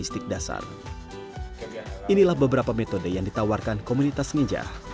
ini adalah beberapa metode yang ditawarkan komunitas ngejah